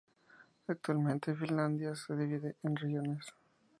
Actualmente Finlandia se divide en regiones.